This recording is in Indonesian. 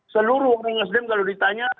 seluruh orang muslim kalau ditanya